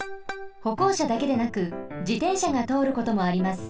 ほこうしゃだけでなく自転車がとおることもあります。